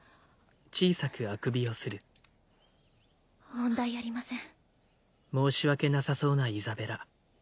問題ありません。